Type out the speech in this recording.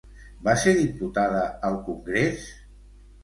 Va ser diputada al Congrés?